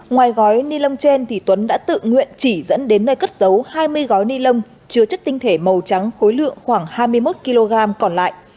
ngoài gói ni lông trên tuấn đã tự nguyện chỉ dẫn đến nơi cất dấu hai mươi gói ni lông chứa chất tinh thể màu trắng khối lượng khoảng hai mươi một kg còn lại